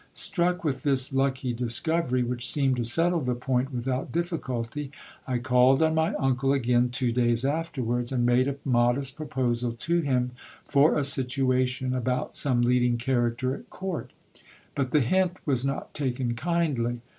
Struck with this lucky discover)', which seemed to settle the point without difficulty, I called on my uncle again two days afterwards, and made a modest proposal to him for a situation about some leading character at court. But the hint was not taken kindly.